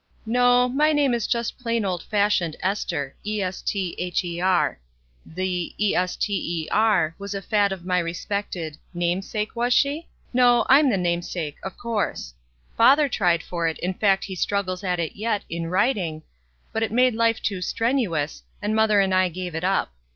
« yro, my name is just plain old fashioned JM Esther. The 'Ester' was a fad of my respected namesake was she? No, I'm the namesake of course. Father tried for it, m fact he struggles at it yet, in writmg, but it made life too strenuous, and mother and I gave it up.